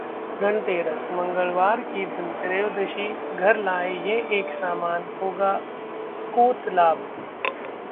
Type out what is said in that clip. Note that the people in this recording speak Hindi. धनतेरस: मंगलवार की धन त्रयोदशी, घर लाएं ये एक सामान, होगा अकूत लाभ...